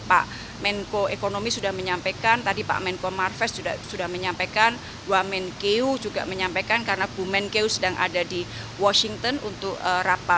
pak menko ekonomi sudah menyampaikan tadi pak menko marves sudah menyampaikan wamenkeu juga menyampaikan karena bu menkeu sedang ada di washington untuk rapat